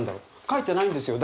書いてないんですよ